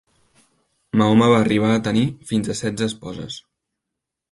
Mahoma va arribar a tenir fins a setze esposes.